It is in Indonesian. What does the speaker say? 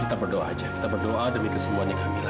kita berdoa aja kita berdoa demi kesembuhan camilla ya